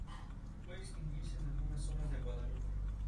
Es necesario para el desarrollo del eje abaxial-adaxial.